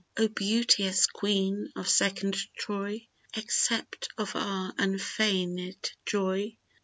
O beauteous Queen of second Troy, Accept of our unfeignèd joy!